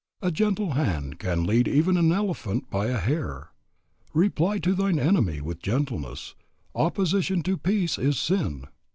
A gentle hand can lead even an elephant by a hair. Reply to thine enemy with gentleness. Opposition to peace is sin."